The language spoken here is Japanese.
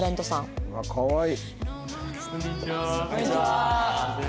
かわいい！